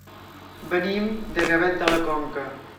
Venim de Gavet de la Conca.